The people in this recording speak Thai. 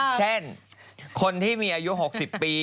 เช่นคนที่มีอายุ๖๐ปี